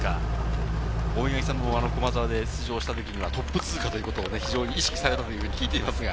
大八木さんも駒澤で出場したときにはトップ通過ということを非常に意識されていたと聞いていますが。